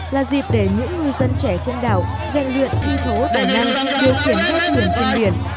là dịp để những ngư dân trẻ trên đảo gian luyện thi thố tài năng điều khiển gho thuyền trên biển